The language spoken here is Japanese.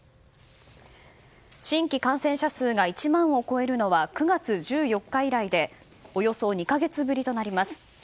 新規感染者数が１万を超えるのは９月１４日以来でおよそ２か月ぶりとなります。